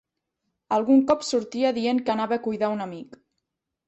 Algun cop sortia dient que anava a cuidar a un amic